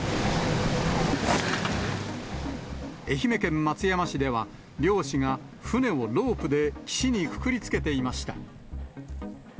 愛媛県松山市では、漁師が船をロープで岸にくくりつけていました。